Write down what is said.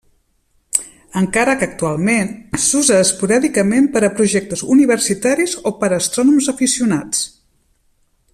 Encara que actualment s'usa esporàdicament per a projectes universitaris o per astrònoms aficionats.